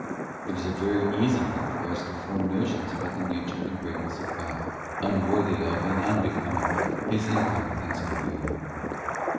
It isa very easy thing for us to form notions about the nature and Pa. lexxv.'8, LOW VIEWS OF GOD. 229 greatness of God, unworthy of and unbecoming His Incom prehensible Being.